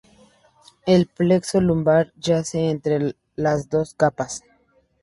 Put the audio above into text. El plexo lumbar yace entre las dos capas.